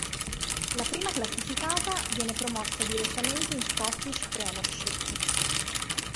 La prima classificata viene promossa direttamente in Scottish Premiership.